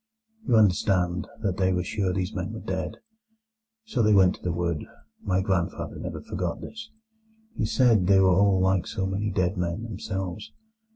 "You understand that they were sure these men were dead. So they went to the wood—my grandfather never forgot this. He said they were all like so many dead men themselves.